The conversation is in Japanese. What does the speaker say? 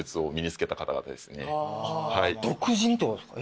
独自にってことですか。